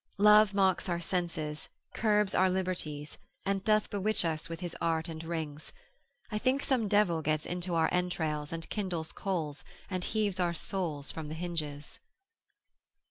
Love mocks our senses, curbs our liberties, And doth bewitch us with his art and rings, I think some devil gets into our entrails, And kindles coals, and heaves our souls from th'hinges.